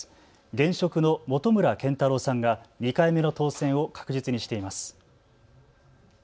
現職の本村賢太郎さんが２回目の当選を確実にしています。